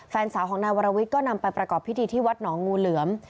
แฟนสาวของนายวรวิทย์ก็นำไปประกอบพิธีที่วัดหนองงูเหลือม